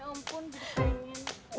ya ampun berpengen